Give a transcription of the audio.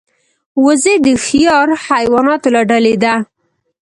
وزې د هوښیار حیواناتو له ډلې ده